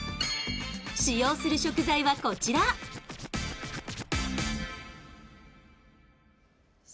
使用する食材はこちらハハッ！